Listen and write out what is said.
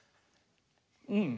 うん。